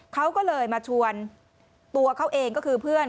เขาก็เลยมาชวนตัวเขาเองก็คือเพื่อน